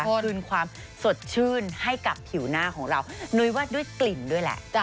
คืนความสดชื่นให้กับผิวหน้าของเรานุ้ยว่าด้วยกลิ่นด้วยแหละ